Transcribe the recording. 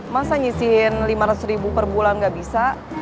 masa nyisihin lima ratus ribu per bulan nggak bisa